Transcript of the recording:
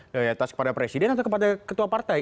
ya ya atas kepada presiden atau kepada ketua partai